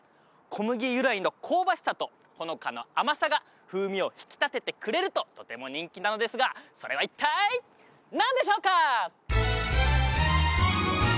小麦由来の香ばしさとほのかな甘さが風味を引き立ててくれるととても人気なのですがそれは一体何でしょうか？